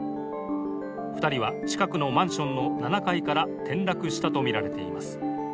２人は近くのマンションの７階から転落したとみられています。